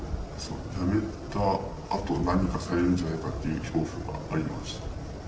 やめたあと、何かされるんじゃないかっていう恐怖がありました。